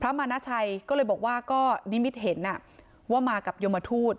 มานาชัยก็เลยบอกว่าก็นิมิตเห็นว่ามากับยมทูต